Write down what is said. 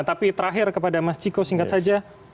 tapi terakhir kepada mas ciko singkat saja